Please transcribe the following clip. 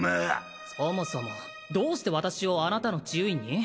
そもそもどうして私をあなたの治癒院に？